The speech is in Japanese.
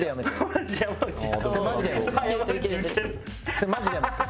それマジでやめて。